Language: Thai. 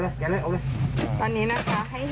โอ้โหแปลก